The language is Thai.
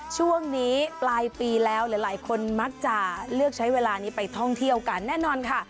ช่วงนี้ปลายปีแล้วหลายคนมักจะเลือกใช้เวลานี้ไปท่องเที่ยวกันแน่นอนค่ะ